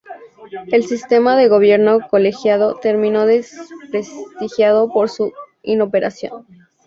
El sistema de gobierno colegiado terminó desprestigiado por su inoperancia.